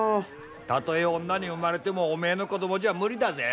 たとえ女に生まれてもおめえの子供じゃ無理だぜ。